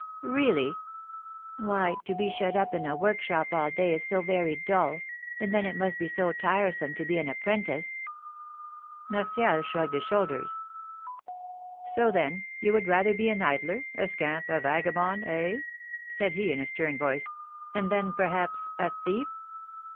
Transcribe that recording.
"Really?" "Why, to be shut up in a workshop all day is so very dull; and then it must be so tiresome to be an apprentice." Martial shrugged his shoulders. "So, then, you would rather be an idler, a scamp, a vagabond, eh?" said he, in a stern voice; "and then, perhaps, a thief?"